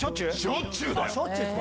しょっちゅうだよ。